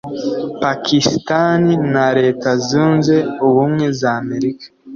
Pakistan na Leta Zunze Ubumwe za America